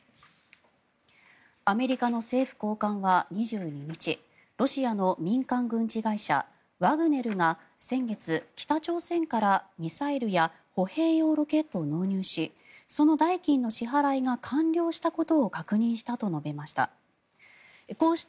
アメリカの政府高官は２２日ロシアの民間軍事会社ワグネルが先月、北朝鮮からミサイルや歩兵用ロケットを納入しその代金の支払いが完了したことを確認したと述べました。